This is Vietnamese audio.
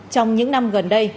trong những năm gần đây